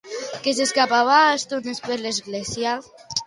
Què s'escampava a estones per l'església?